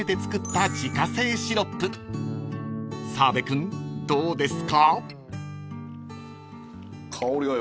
［澤部君どうですか？］